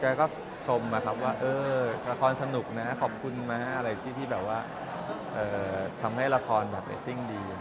แกก็ชมครับว่าราคอนสนุกนะขอบคุณมากที่ที่แบบว่าทำให้ราคอนทิ้งดี